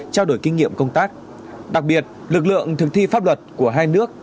trao đổi kinh nghiệm công tác đặc biệt lực lượng thực thi pháp luật của hai nước